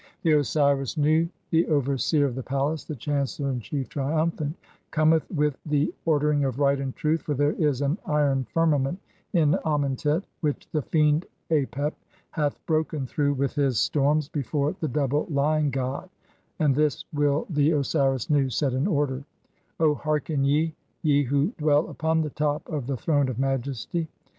The Osiris Nu, the overseer of the palace, "the chancellor in chief, triumphant, (22) cometh with the or dering of right and truth, for there is an iron firmament in " Anient et which the fiend Apep hath broken through with his "storms before the double Lion god, (23) and this will the "Osiris Nu set in order; O hearken ye, ye who dwell upon "the top of the throne of majesty.